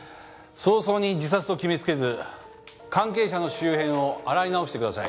早々に自殺と決めつけず関係者の周辺を洗い直してください。